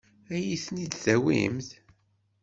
Ad iyi-ten-id-tawimt?